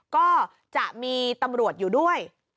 ก็จะมีตำรวจอยู่ด้วย